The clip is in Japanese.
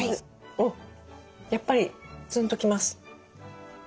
おっやっぱりツンと来ます。